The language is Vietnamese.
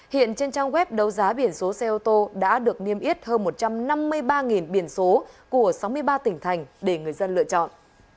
hiện trên trang web đấu giá biển số xe ô tô đã được niêm yết hơn một trăm năm mươi ba biển số của sáu mươi ba tỉnh thành để người dân lựa chọn